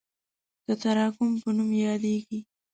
د تراکم په نوم یادیږي.